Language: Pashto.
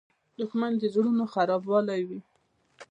دښمن د زړونو خرابوونکی وي